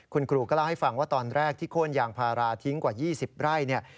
คุณครูก็เล่าให้ฟังว่าตอนแรกที่โค้นยางพาราทิ้งกว่า๒๐ไร่เนี่ย